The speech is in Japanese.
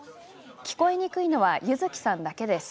聞こえにくいのは柚希さんだけです。